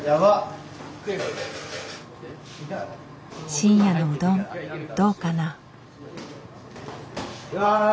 深夜のうどんどうかな？